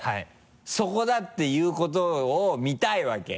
「そこだ！」っていうことを見たいわけ。